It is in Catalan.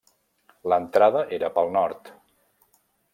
L'entrada era pel nord.